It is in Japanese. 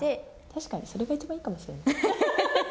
確かにそれがいちばんいいかもしれない。